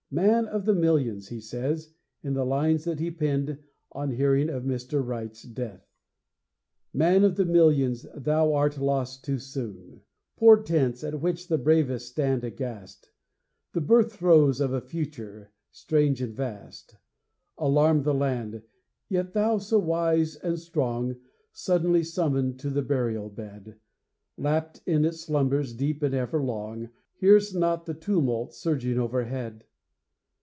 'Man of the millions,' he says, in the lines that he penned on hearing of Mr. Wright's death: Man of the millions, thou art lost too soon! Portents at which the bravest stand aghast The birththroes of a Future, strange and vast, Alarm the land; yet thou, so wise, and strong, Suddenly summoned to the burial bed, Lapped in its slumbers deep and ever long, Hear'st not the tumult surging overhead.